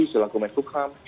sulawak umar sukram